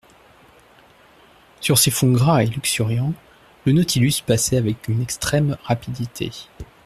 Sur ces fonds gras et luxuriants, le Nautilus passait avec une extrême rapidité.